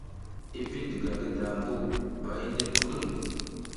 I bi diga ngi dambu ɓa i ndil kutum.